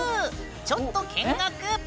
ちょっと見学。